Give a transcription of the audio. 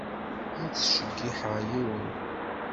Ur ttjeyyiḥeɣ yiwen.